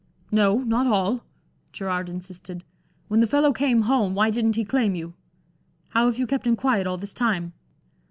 "No, not all." Gerard insisted. "When the fellow came home, why didn't he claim you? How have you kept him quiet, all this time?"